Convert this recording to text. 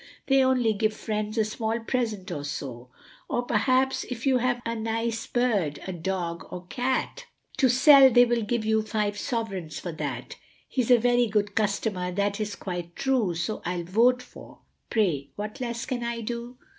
They only give friends a small present or so. Or perhaps if you have a nice Bird, Dog, or Cat. To sell, they will give you five sovereigns for that, He's a very good customer, that is quite true, So I'll vote for , pray what less can I do?